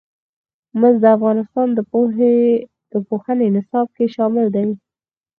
مس د افغانستان د پوهنې نصاب کې شامل دي.